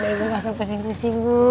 udah udah langsung pusing pusing bu